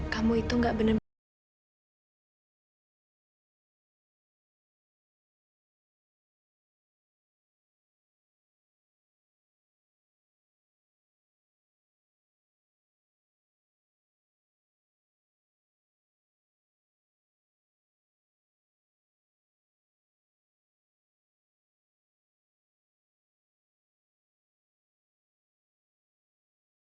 kamu itu gak bener bener